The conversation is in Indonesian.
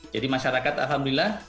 jadi masyarakat alhamdulillah